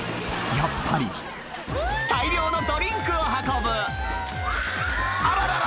やっぱり大量のドリンクを運ぶあらららら！